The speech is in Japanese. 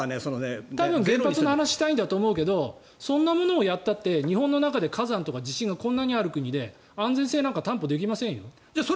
原発の話をしたいんだと思うけどそんなことやったって日本みたいに火山や地震がこんなにある国で安全性なんか担保できませんよ。